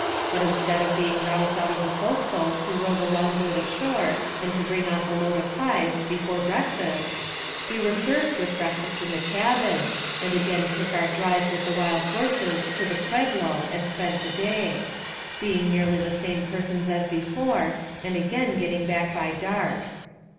But instead of being roused out of the forecastle to row the long boat ashore and bring off a load of hides before breakfast, we were served with breakfast in the cabin, and again took our drive with the wild horses to the Pueblo and spent the day; seeing nearly the same persons as before, and again getting back by dark.